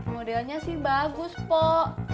modelnya sih bagus poh